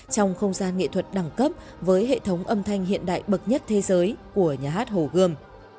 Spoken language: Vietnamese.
trong không gian nghệ thuật đẳng cấp với hệ thống âm thanh hiện đại bậc nhất thế giới của nhà hát hồ gươm